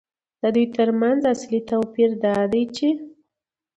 د دوی ترمنځ اصلي توپیر دا دی چې